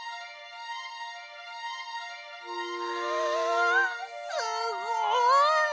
あすごい！